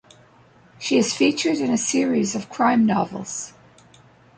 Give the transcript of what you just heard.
She is featured in a series of crime novels.